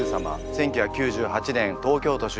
１９９８年東京都出身。